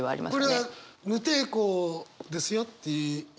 これは無抵抗ですよって意味なのか